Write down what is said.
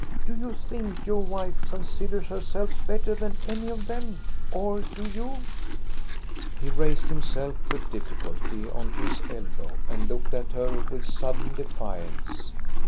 Do you think your wife considers herself better than any one of them — or do you ?" He raised himself with difficulty onto his elbow. THE FOREST COTTAGE 445 and looked at her with sudden defiance.